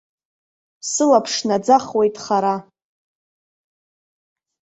Сылаԥш наӡахуеит хара.